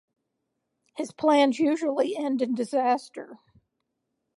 His plans usually end in disaster.